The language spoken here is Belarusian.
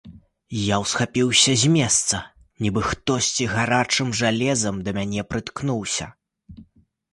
Я ўсхапіўся з месца, нібы хтосьці гарачым жалезам да мяне прыткнуўся.